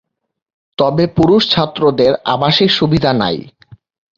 তবে পুরুষ ছাত্রদের আবাসিক সুবিধা নাই।